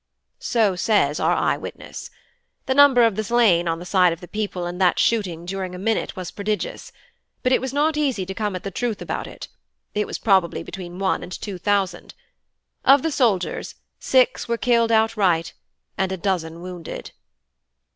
"So says our eye witness. The number of the slain on the side of the people in that shooting during a minute was prodigious; but it was not easy to come at the truth about it; it was probably between one and two thousand. Of the soldiers, six were killed outright, and a dozen wounded."